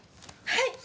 はい！